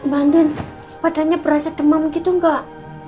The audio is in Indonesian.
ma anden padanya berasa demam gitu nggak